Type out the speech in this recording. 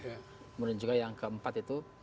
kemudian juga yang keempat itu